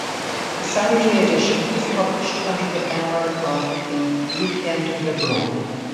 The Saturday edition is published under the banner of the "Weekend Liberal".